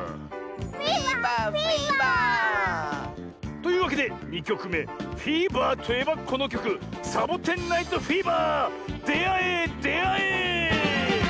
フィーバーフィーバー！というわけで２きょくめフィーバーといえばこのきょく「サボテン・ナイト・フィーバー」であえであえ！